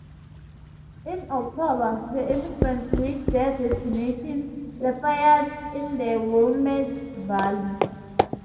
In October, the emigrants reached their destination, Lafayette, in the Willamette Valley.